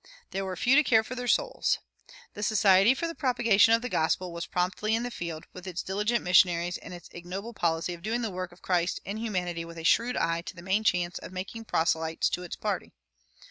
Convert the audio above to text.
There were few to care for their souls. The Society for the Propagation of the Gospel was promptly in the field, with its diligent missionaries and its ignoble policy of doing the work of Christ and humanity with a shrewd eye to the main chance of making proselytes to its party.